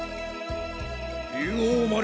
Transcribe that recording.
竜王丸